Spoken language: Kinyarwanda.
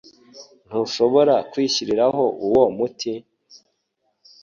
Ntushobora kwishyiriraho uwo muti?